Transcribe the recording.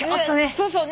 そうそう。